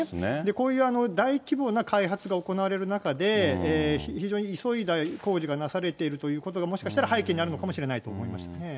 こういう大規模な開発が行われる中で、非常に急いだ工事がなされているということがもしかしたら背景にあるのかもしれないと思いましたね。